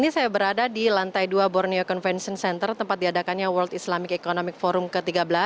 ini saya berada di lantai dua borneo convention center tempat diadakannya world islamic economic forum ke tiga belas